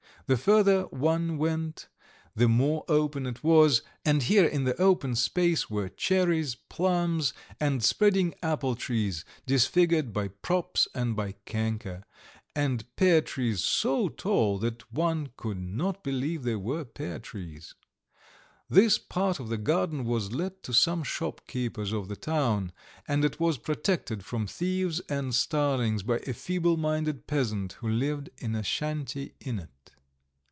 The further one went the more open it was, and here in the open space were cherries, plums, and spreading apple trees, disfigured by props and by canker; and pear trees so tall that one could not believe they were pear trees. This part of the garden was let to some shopkeepers of the town, and it was protected from thieves and starlings by a feeble minded peasant who lived in a shanty in it.